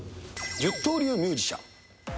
十刀流ミュージシャン。